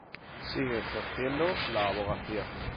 Sigue ejerciendo la abogacía.